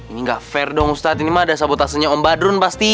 ini gak fair dong ustad ini mah ada sabotasenya om badrun pasti